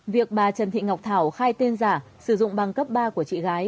việc bà trần thị ngọc thảo khai tên giả sử dụng băng cấp ba của chị gái